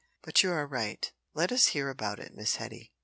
But you are right. Let us hear about it, Miss Hetty."